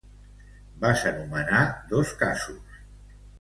Vas anomenar dos casos.